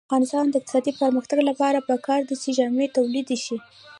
د افغانستان د اقتصادي پرمختګ لپاره پکار ده چې جامې تولید شي.